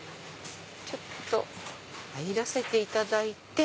ちょっと入らせていただいて。